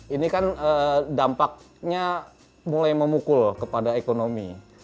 ini kan dampaknya mulai memukul kepada ekonomi